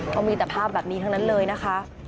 เขามีแต่ภาพแบบนี้ทั้งนั้นเลยนะคะ